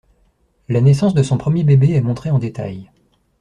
La naissance de son premier bébé est montrée en détails.